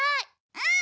うん！